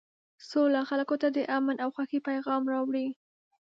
سوله خلکو ته د امن او خوښۍ پیغام راوړي.